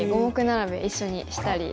並べ一緒にしたり。